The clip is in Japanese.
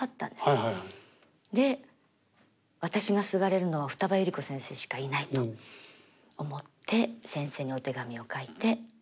で私がすがれるのは二葉百合子先生しかいないと思って先生にお手紙を書いて。